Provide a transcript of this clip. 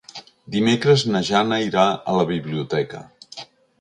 Dimecres na Jana irà a la biblioteca.